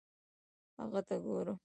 هغه ته ګورم